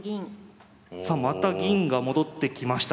さあまた銀が戻ってきました。